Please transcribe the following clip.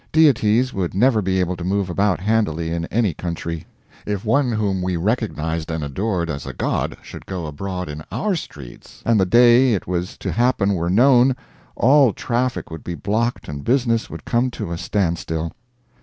Deities would never be able to move about handily in any country. If one whom we recognized and adored as a god should go abroad in our streets, and the day it was to happen were known, all traffic would be blocked and business would come to a standstill.